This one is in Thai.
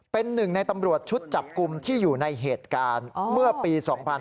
เป็นหนึ่งในตำรวจชุดจับกลุ่มที่อยู่ในเหตุการณ์เมื่อปี๒๕๕๙